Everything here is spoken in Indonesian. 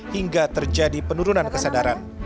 hingga terjadi penurunan kesadaran